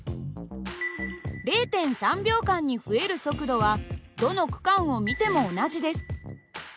０．３秒間に増える速度はどの区間を見ても同じです。